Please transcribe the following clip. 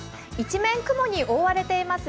一面雲に覆われています